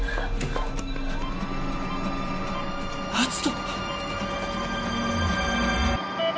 篤斗！